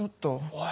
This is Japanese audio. おい。